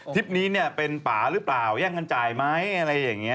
คลิปนี้เนี่ยเป็นป่าหรือเปล่าแย่งกันจ่ายไหมอะไรอย่างนี้